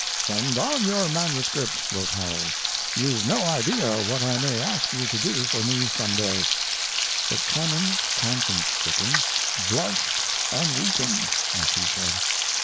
"Send on your MS.," wrote Howells. "You've no idea what I may ask you to do for me some day." But Clemens, conscience stricken, "blushed and weakened," as he said.